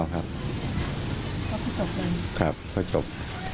ครับพอจบ